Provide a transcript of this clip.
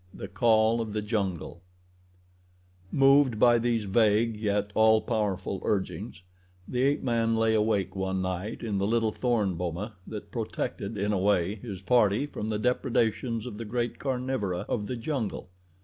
The Call of the Jungle Moved by these vague yet all powerful urgings the ape man lay awake one night in the little thorn boma that protected, in a way, his party from the depredations of the great carnivora of the jungle.